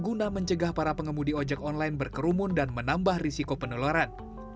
guna mencegah para pengemudi ojek online berkerumun dan menambah risiko penularan